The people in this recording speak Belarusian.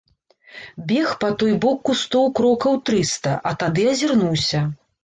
Бег па той бок кустоў крокаў трыста, а тады азірнуўся.